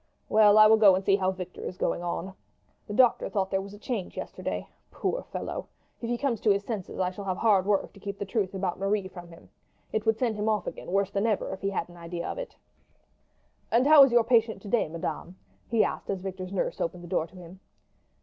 Well, I will go and see how Victor is going on. The doctor thought there was a change yesterday. Poor fellow! If he comes to his senses I shall have hard work to keep the truth about Marie from him. It would send him off again worse than ever if he had an idea of it." "And how is your patient to day, madame?" he asked, as Victor's nurse opened the door to him.